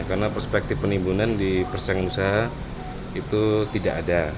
karena perspektif penimbunan di persaingan usaha itu tidak ada